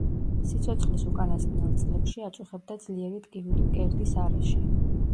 სიცოცხლის უკანასკნელ წლებში აწუხებდა ძლიერი ტკივილი მკერდის არეში.